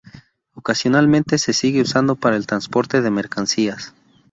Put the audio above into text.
Ocasionalmente se sigue usando para el transporte de mercancías.